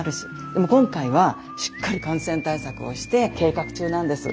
でも今回はしっかり感染対策をして計画中なんです。